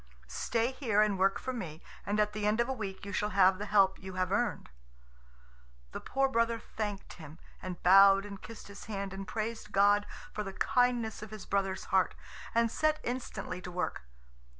Stay here and work for me, and at the end of a week you shall have the help you have earned." The poor brother thanked him, and bowed and kissed his hand, and praised God for the kindness of his brother's heart, and set instantly to work.